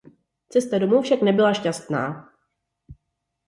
Cesta domů však nebyla šťastná.